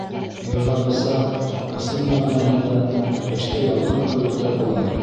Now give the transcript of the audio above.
Йырҙағыса, ысын мәғәнәһендә, эштә ялҡын кеүектәр улар.